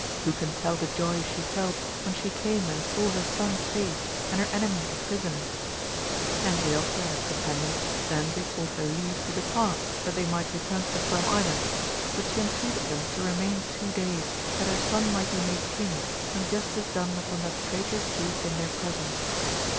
Who can tell the joy she felt when she came and saw her son safe, and her enemy a prisoner 1 Angriote and his companions then besought her leave to depart, that they might re turn to the Firm Island ; but she entreated them to remain two days, that her son might be made king, and justice done upon that traitorous duke in their presence.